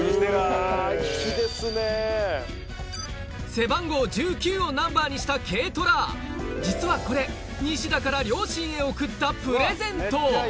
背番号１９をナンバーにした軽トラ実はこれ西田から両親へ贈ったプレゼント